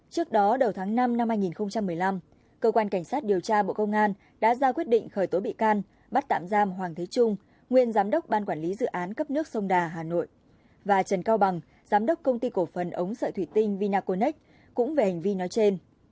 các bị can gồm vũ thanh hải trưởng phòng sản xuất của công ty cổ phần ống sợi thủy tinh vinaconex nguyễn văn khải phó giám đốc ban quản lý dự án cấp nước sông đà hà nội và trần cao bằng giám đốc công ty cổ phần ống sợi thủy tinh vinaconex cũng về hành vi nói trên